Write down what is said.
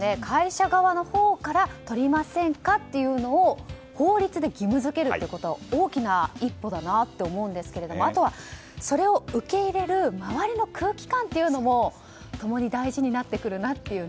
会社側のほうから取りませんかというのを法律で義務付けるということは大きな一歩だなと思うんですけどあとは、それを受け入れる周りの空気感というのも共に大事になってくるなと。